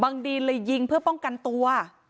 ดีนเลยยิงเพื่อป้องกันตัว